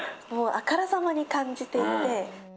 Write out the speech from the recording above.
あからさまに感じていて。